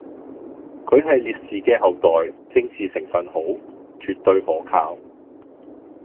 佢係烈士嘅後代，政治成份好，絕對可靠